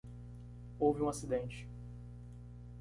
Houve um acidente.